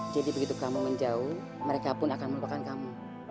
jadi begitu kamu menjauh mereka pun akan melupakan kamu